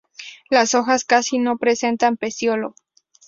Las hojas casi no presentan pecíolo.